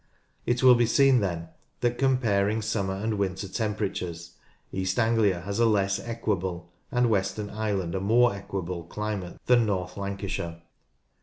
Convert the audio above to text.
It will be seen then that, comparing summer and winter temperatures, East Anglia has a less equable, and western Ireland a more equable, climate than North Lancashire.